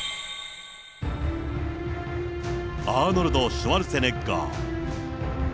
アーノルド・シュワルツェネッガー。